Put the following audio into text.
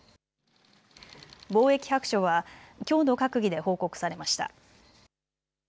防衛白書はきょうの閣議で報告されました。